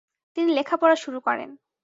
তিনি লেখাপড়া শুরু করেন।